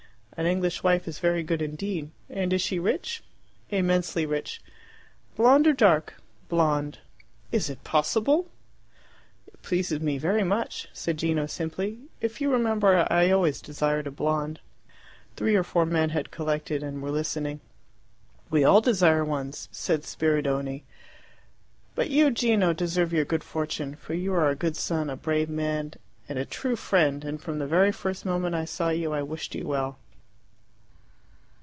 An English wife is very good indeed. And she is rich?" "Immensely rich." "Blonde or dark?" "Blonde." "Is it possible!" "It pleases me very much," said Gino simply. "If you remember, I always desired a blonde." Three or four men had collected, and were listening. "We all desire one," said Spiridione. "But you, Gino, deserve your good fortune, for you are a good son, a brave man, and a true friend, and from the very first moment I saw you I wished you well."